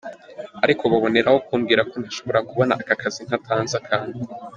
Ariko baboneraho kumbwira ko ntashobora kubona aka kazi ntatanze akantu.